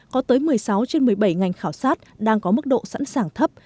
có tới một mươi sáu trên một mươi bảy ngành khảo sát đang có mức độ sẵn sàng thấp